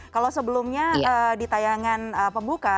kalau sebelumnya di tayangan pembuka